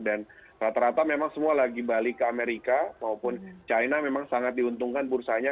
dan rata rata memang semua lagi balik ke amerika maupun china memang sangat diuntungkan bursanya